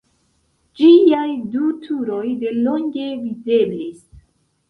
Ĝiaj du turoj de longe videblis.